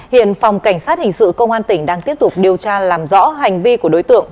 hiện phòng cảnh sát hình sự công an tỉnh đang tiếp tục điều tra làm rõ hành vi của đối tượng